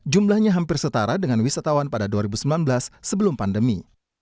jumlahnya hampir setara dengan wisatawan pada dua ribu sembilan belas sebelum pandemi